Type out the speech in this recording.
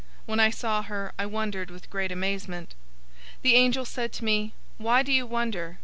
When I saw her, I wondered with great amazement. 017:007 The angel said to me, "Why do you wonder?